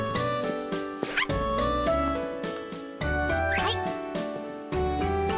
はい。